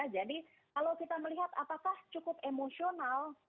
jadi kalau kita melihat apakah cukup emosional